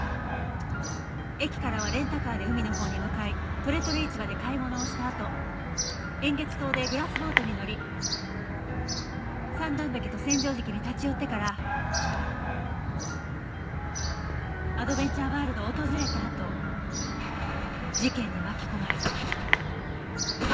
駅からはレンタカーで海のほうに向かいとれとれ市場で買い物をしたあと円月島でグラスボートに乗り三段壁と千畳敷に立ち寄ってからアドベンチャーワールドを訪れたあと事件に巻き込まれた。